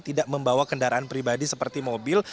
tidak membawa kendaraan pribadi seperti mobil